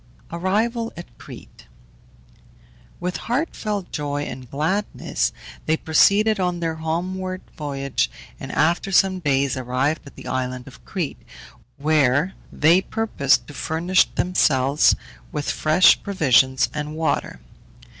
ARRIVAL AT CRETE. With heartfelt joy and gladness they proceeded on their homeward voyage, and after some days arrived at the island of Crete, where they purposed to furnish themselves with fresh provisions and water.